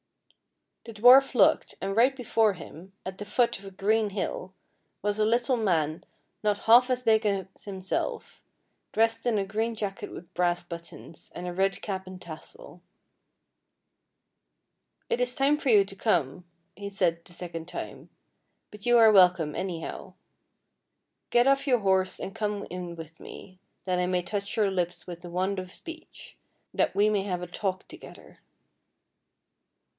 The dwarf looked, and right before him, at the foot of a green hill, was a little man not half as 152 FAIRY TALES big as himself, dressed in a green jacket with brass buttons, and a red cap and tassel. " It is time for you to come," he said the sec ond time ;" but you are welcome, anyhow. Get off your horse and come in w r ith me, that I may touch your lips with the wand of speech, that we may have a talk together."